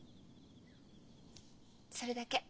それだけ。